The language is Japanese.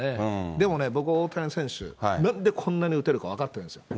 でもね、僕、大谷選手、なんでこんなに打てるか分かってるんですよ。